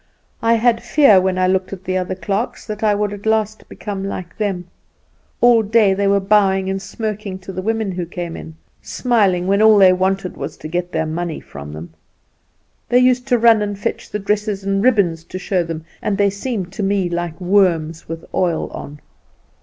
I had fear when I looked at the other clerks that I would at last become like them. All day they were bowing and smirking to the women who came in; smiling, when all they wanted was to get their money from them. They used to run and fetch the dresses and ribbons to show them, and they seemed to me like worms with oil on.